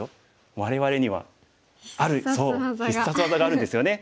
我々にはある必殺技があるんですよね。